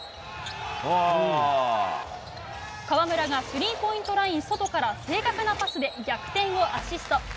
河村がスリーポイントライン外から正確なパスで逆転をアシスト。